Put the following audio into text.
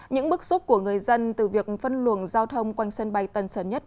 những bức xúc của người dân từ việc phân luồng giao thông quanh sân bay tân sơn nhất